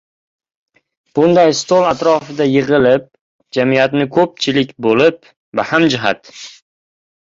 Bunday stol atrofida yig‘ilib jamiyatni ko‘pchilik bo‘lib, bahamjihat